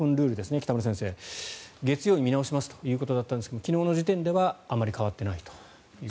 北村先生、月曜日に見直しますということだったんですが昨日の時点ではあまり変わっていないと。